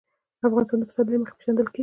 افغانستان د پسرلی له مخې پېژندل کېږي.